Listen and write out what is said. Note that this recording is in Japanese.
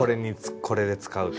これで使うと。